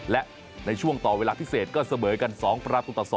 และในช่วงต่อเวลาพิเศษก็เสมอกัน๒ประตูต่อ๒